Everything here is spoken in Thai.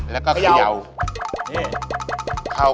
แล้วก็แย่ว